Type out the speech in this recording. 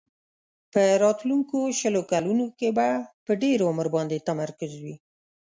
په راتلونکو شلو کلونو کې به په ډېر عمر باندې تمرکز وي.